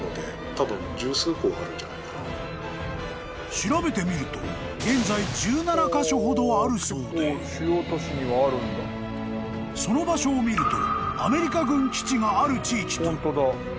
［調べてみると現在１７カ所ほどあるそうでその場所を見ると］